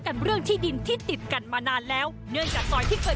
แป๊บนึงเดี๋ยวรอเจ้าราศิษฐีก่อน